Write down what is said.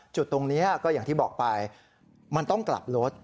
จุดตรงนี้ก็อย่างที่บอกไปมันต้องกลับรถ